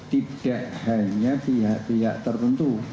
tidak hanya pihak pihak tertentu